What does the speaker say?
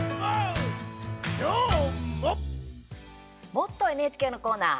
「もっとＮＨＫ」のコーナー。